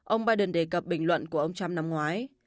ông biden đề cập bình luận của ông trump năm ngoái